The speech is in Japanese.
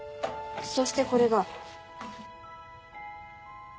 そしてこれが。